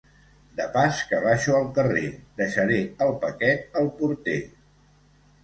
De pas que baixo al carrer, deixaré el paquet al porter.